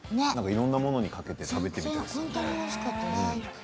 いろんなものにかけて食べてみたい。